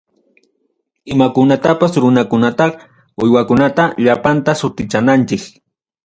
Imakunatapas, runakunata, uywakunata, llapallanta sutinchananchik.